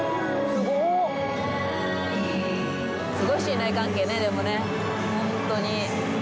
すごい信頼関係ね、でもね、本当に。